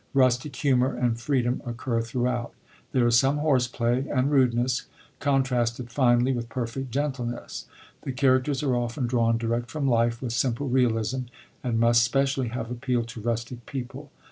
Rustic humour and freedom occur throughout. There is some horse play, and rudeness, contrasted finely with perfect gentleness. The characters are often drawn direct from life with simple realism, and must specially have appeald to rustic people.